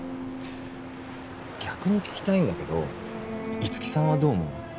逆に聞きたいんだけど五木さんはどう思う？